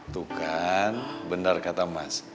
tuh kan bener kata mas